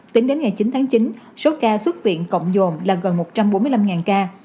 tính đến ngày chín tháng chín số ca xuất viện cộng dồn là gần một trăm bốn mươi năm ca